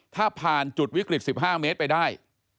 ถ้าผ่านจุดวิกฤต๑๕เมตรไปได้